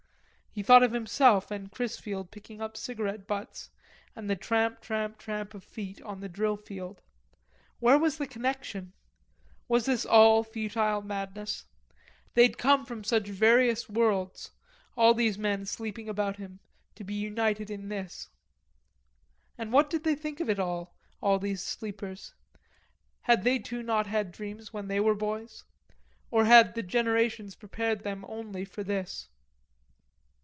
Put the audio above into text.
He thought of himself and Chrisfield picking up cigarette butts and the tramp, tramp, tramp of feet on the drill field. Where was the connection? Was this all futile madness? They'd come from such various worlds, all these men sleeping about him, to be united in this. And what did they think of it, all these sleepers? Had they too not had dreams when they were boys? Or had the generations prepared them only for this?